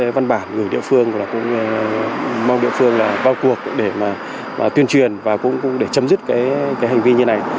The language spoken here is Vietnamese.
các văn bản người địa phương cũng mong địa phương bao cuộc để tuyên truyền và cũng để chấm dứt cái hành vi như này